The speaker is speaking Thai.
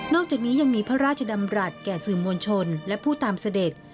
อกจากนี้ยังมีพระราชดำรัฐแก่สื่อมวลชนและผู้ตามเสด็จ